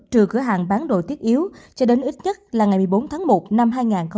trừ cửa hàng bán đồ tiết yếu cho đến ít nhất ngày một mươi bốn tháng một năm hai nghìn hai mươi hai